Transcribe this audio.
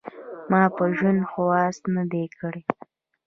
ما په ژوند خواست نه دی کړی .